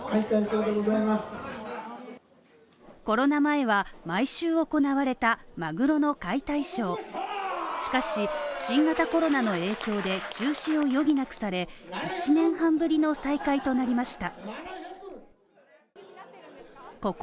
コロナ前は毎週行われたマグロの解体ショーしかし新型コロナの影響で休止を余儀なくされ、１年半ぶりの再開となりました。